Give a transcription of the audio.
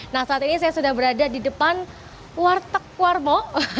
nah saat ini saya sudah berada di depan warteg warmo